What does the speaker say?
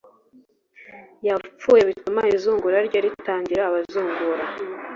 yapfuye bituma izungura rye ritangira Abazungura